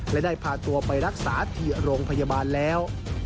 และได้พาตัวไปรักษาที่โรงพยาบาลแล้ว